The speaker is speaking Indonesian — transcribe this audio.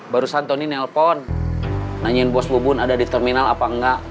barusan tony nelpon nanyain bos bubun ada di terminal apa enggak